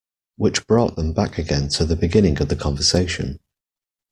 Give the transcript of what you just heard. Which brought them back again to the beginning of the conversation.